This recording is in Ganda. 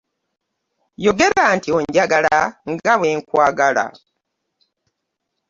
Yogera nti onjagala nga bwenkwagala.